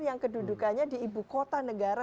yang kedudukannya di ibu kota negara